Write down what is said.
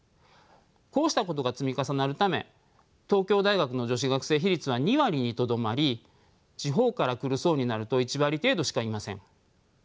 こうしたことが積み重なるため東京大学の女子学生比率は２割にとどまり地方から来る層になると１割程度しかいません。